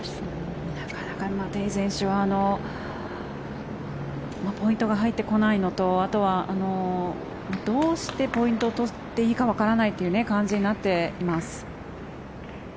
なかなかテイ選手はポイントが入ってこないのとあとはどうしてポイントを取っていいかわからないという感じになっています。